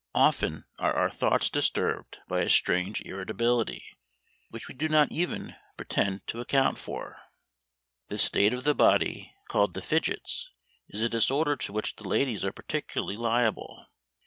Often are our thoughts disturbed by a strange irritability, which we do not even pretend to account for. This state of the body, called the fidgets, is a disorder to which the ladies are particularly liable.